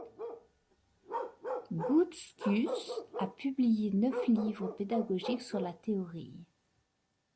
Goetschius a publié neuf livres pédagogiques sur la théorie.